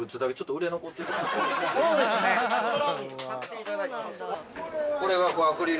それを買っていただいて。